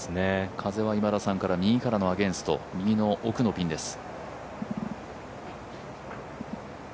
風は今田さんから右からのアゲンスト、右の奥のピンです。